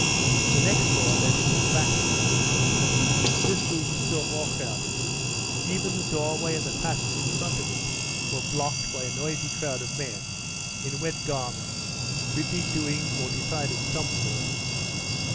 The next door led into the bachelors' room. This room was still more crowded; even the doorway and the passage in front of it were blocked by a noisy crowd of men, in wet garments, busy doing or deciding something or other.